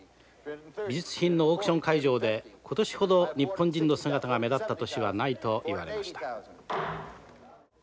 美術品のオークション会場で今年ほど日本人の姿が目立った年はないと言われました」。